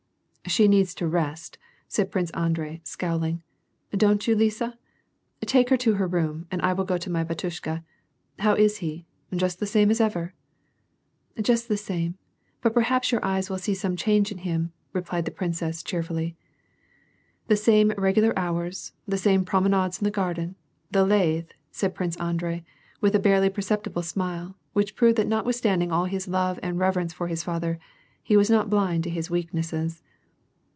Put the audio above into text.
"She needs to rest/' said Prince Andrei, scowling, "Don't you Lisa ? Take lier to her room and I will go to my bat yushka. How is he ? Just the same as ever ?"*' Just the same ; but perhaps your eyes will see some change in him," replied the princess, cheerfully. *• The same regular hours, the same promenades in the gar den, the lathe ?" asked Prince Andrei, with a barely percepti ble smile, which proved that notwithstanding all his love and reverence for his father, he was not blind to his weaknesses.